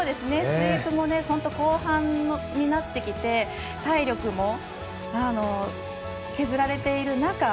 スイープも本当、後半になってきて体力も削られている中